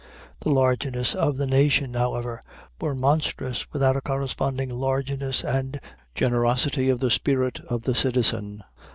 The largeness of the nation, however, were monstrous without a corresponding largeness and generosity of the spirit of the citizen.